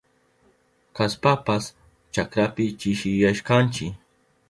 Kaynapas chakrapi chishiyashkanchi.